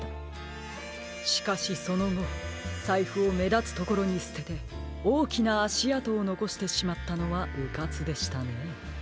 しかしそのごさいふをめだつところにすてておおきなあしあとをのこしてしまったのはうかつでしたね。